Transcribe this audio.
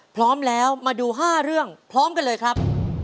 พร้อมแล้วมาดู๕เรื่องพร้อมกันเลยครับ